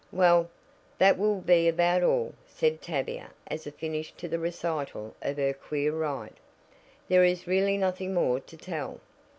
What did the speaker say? "Well, that will be about all," said Tavia as a finish to the recital of her queer ride. "There is really nothing more to tell."